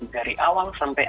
dari awal sampai